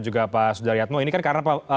juga pak sudaryatmo ini kan karena